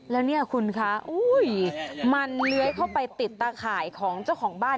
แล้วเนี่ยคุณคะมันเลื้อยเข้าไปติดตาข่ายของเจ้าของบ้าน